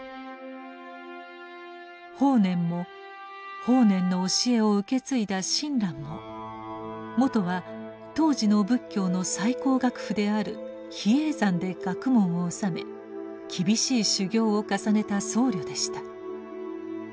法然も法然の教えを受け継いだ親鸞ももとは当時の仏教の最高学府である比叡山で学問を修め厳しい修行を重ねた僧侶でした。